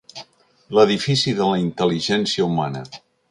L'edifici de la intel·ligència humana.